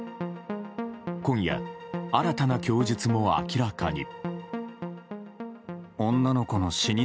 今夜、新たな供述も明らかに。